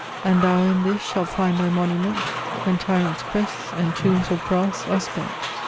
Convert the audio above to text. And thou in this shalt find thy monument, When tyrants' crests, and tombs of brass are spent."